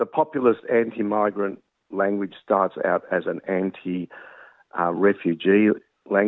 pemimpin pemimpin anti migran